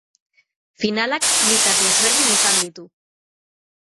Finalak bi zati ezberdin izan ditu.